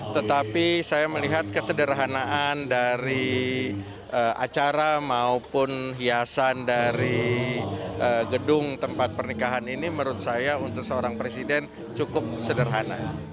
tetapi saya melihat kesederhanaan dari acara maupun hiasan dari gedung tempat pernikahan ini menurut saya untuk seorang presiden cukup sederhana